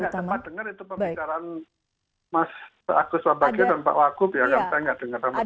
saya nggak tempat dengar itu pembicaraan mas agus wabagia dan pak wagub ya